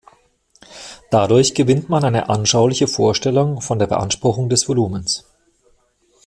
Dadurch gewinnt man eine anschauliche Vorstellung von der Beanspruchung des Volumens.